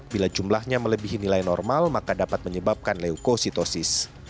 bila jumlahnya melebihi nilai normal maka dapat menyebabkan leukositosis